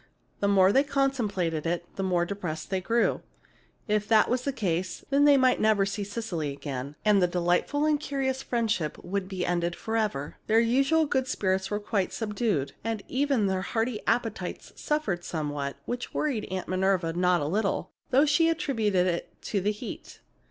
The more they contemplated it, the more depressed they grew. If that were the case, then, they might never see Cecily again, and the delightful and curious friendship would be ended forever. Their usual good spirits were quite subdued, and even their hearty appetites suffered somewhat, which worried Aunt Minerva not a little, though she attributed it to the heat.